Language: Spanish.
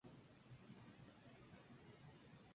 Altaïr le propone un trato: su vida a cambio de información.